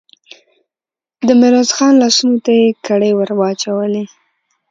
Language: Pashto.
د ميرويس خان لاسونو ته يې کړۍ ور واچولې.